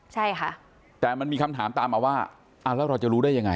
ใช่ค่ะแต่มันมีคำถามตามมาว่าอ่าแล้วเราจะรู้ได้ยังไง